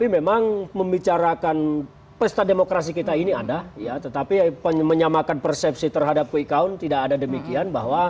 memang membicarakan pesta demokrasi kita ini ada ya tetapi menyamakan persepsi terhadap quick count tidak ada demikian bahwa